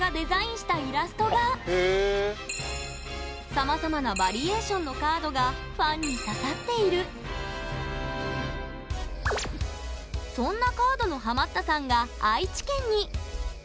さまざまなバリエーションのカードがファンに刺さっているそんなカードのハマったさんが愛知県に。